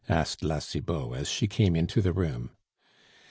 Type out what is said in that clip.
asked La Cibot, as she came into the room.